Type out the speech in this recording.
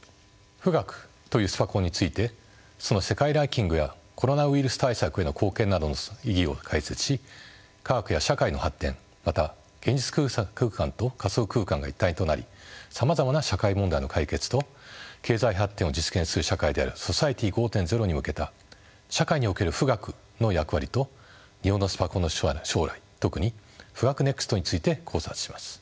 富岳というスパコンについてその世界ランキングやコロナウイルス対策への貢献などの意義を解説し科学や社会の発展また現実空間と仮想空間が一体となりさまざまな社会問題の解決と経済発展を実現する社会であるソサイエティ５．０に向けた社会における富岳の役割と日本のスパコンの将来特にＦｕｇａｋｕＮＥＸＴについて考察します。